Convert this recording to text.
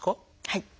はい。